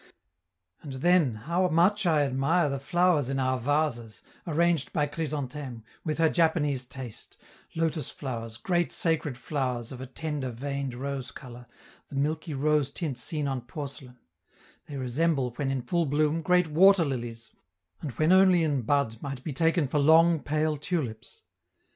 And then, how much I admire the flowers in our vases, arranged by Chrysantheme, with her Japanese taste lotus flowers, great, sacred flowers of a tender, veined rose color, the milky rose tint seen on porcelain; they resemble, when in full bloom, great water lilies, and when only in bud might be taken for long pale tulips.